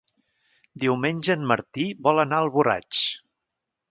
Diumenge en Martí vol anar a Alboraig.